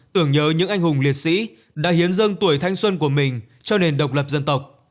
tưởng nhớ những anh hùng liệt sĩ đã hiến dâng tuổi thanh xuân của mình cho nền độc lập dân tộc